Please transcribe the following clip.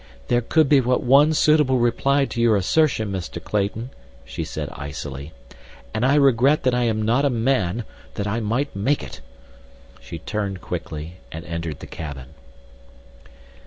"There could be but one suitable reply to your assertion, Mr. Clayton," she said icily, "and I regret that I am not a man, that I might make it." She turned quickly and entered the cabin.